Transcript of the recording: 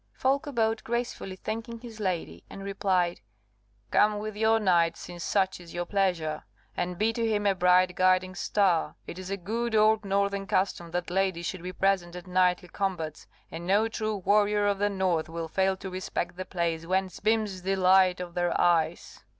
Folko bowed, gracefully thanking his lady, and replied, "Come with your knight, since such is your pleasure, and be to him a bright guiding star. It is a good old northern custom that ladies should be present at knightly combats, and no true warrior of the north will fail to respect the place whence beams the light of their eyes.